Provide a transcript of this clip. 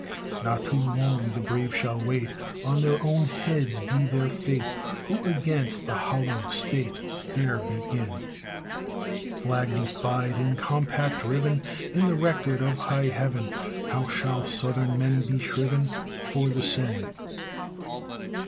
Not too long the brave shall wait: On their own heads be their fate, Who against the hallowed State Dare begin; Flag defied and compact riven! In the record of high Heaven How shall Southern men be shriven For the sin!